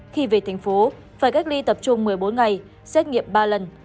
khi về thành phố phải cách ly tập trung một mươi bốn ngày xét nghiệm ba lần